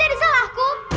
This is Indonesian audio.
ini kemana tangganya coba